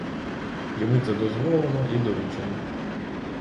Йому це дозволено і доручено.